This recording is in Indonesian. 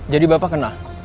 jadi bapak kenal